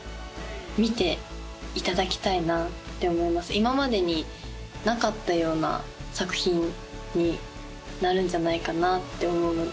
今までになかったような作品になるんじゃないかなって思うので。